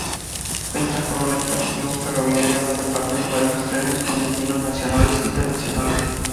Cuenta con una estación ferroviaria donde parten numerosos trenes con destinos nacionales e internacionales.